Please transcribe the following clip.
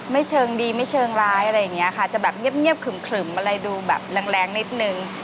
เชิงดีไม่เชิงร้ายอะไรอย่างนี้ค่ะจะแบบเงียบขึมอะไรดูแบบแรงนิดนึง